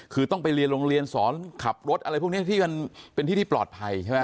คือต้องไปเรียนโรงเรียนสอนขับรถอะไรพวกนี้ที่มันเป็นที่ที่ปลอดภัยใช่ไหม